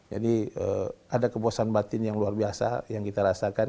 jadi ada kepuasan batin yang luar biasa yang kita rasakan